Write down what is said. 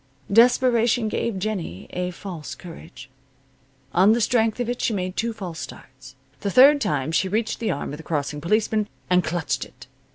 Desperation gave Jennie a false courage. On the strength of it she made two false starts. The third time she reached the arm of the crossing policeman, and clutched it.